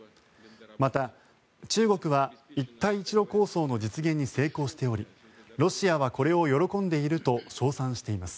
また、中国は一帯一路構想の実現に成功しておりロシアは、これを喜んでいると称賛しています。